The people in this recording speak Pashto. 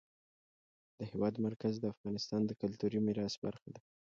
د هېواد مرکز د افغانستان د کلتوري میراث برخه ده.